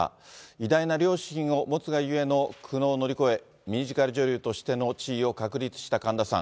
偉大な両親を持つが故の苦悩を乗り越え、ミュージカル女優としての地位を確立した神田さん。